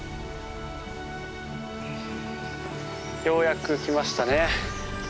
ようやく来ましたね。